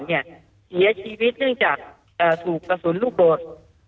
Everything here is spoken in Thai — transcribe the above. เสียชีวิตเนื่องจากถูกกระสุนลูกโดด